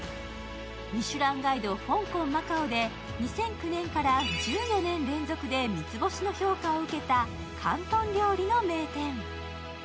「ミシュランガイド香港・マカオ」で２００９年から１４年連続で三つ星の評価を受けた広東料理の名店。